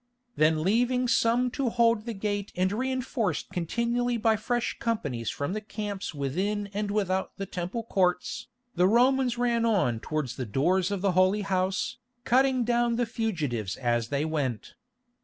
Then leaving some to hold the gate and reinforced continually by fresh companies from the camps within and without the Temple courts, the Romans ran on towards the doors of the Holy House, cutting down the fugitives as they went.